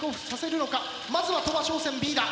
まずは鳥羽商船Ｂだ。